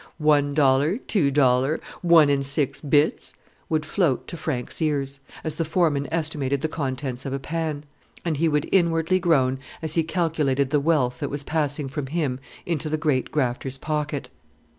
"One dollar, two dollar, one and six bits" would float to Frank's ears, as the foreman estimated the contents of a pan; and he would inwardly groan as he calculated the wealth that was passing from him into the great grafter's pocket.